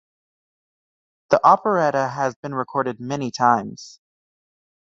The operetta has been recorded many times.